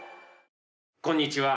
こんにちは。